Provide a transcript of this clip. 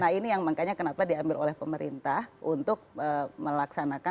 nah ini yang makanya kenapa diambil oleh pemerintah untuk melaksanakan